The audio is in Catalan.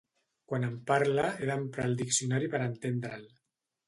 Quan em parla he d'emprar el diccionari per entendre'l.